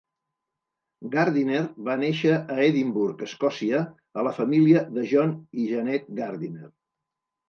Gardiner va néixer a Edimburg, Escòcia, a la família de John i Janet Gardiner.